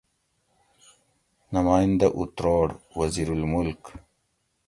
نمائندہ اُتروڑ: وزیرالملک